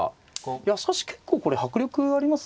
いやしかし結構これ迫力ありますね。